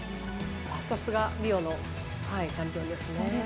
さすが、リオのチャンピオンです。